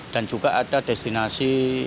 dan juga ada destinasi